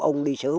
ông đi sớm